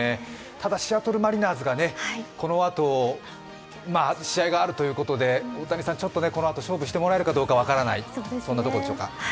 ただ、シアトル・マリナーズがこのあと試合があるということで大谷さん、このあと勝負してもらえるかどうか分からないというところでしょうか。